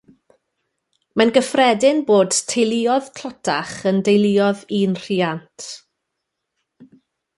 Mae'n gyffredin bod teuluoedd tlotach yn deuluoedd un rhiant